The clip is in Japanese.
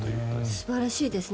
素晴らしいですね。